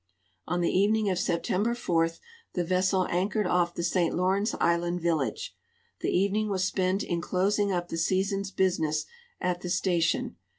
On the evening of Septem ber 4 the vessel anchored off the St. Lawrence island village. The evening was spent in closing up the season's business at the station.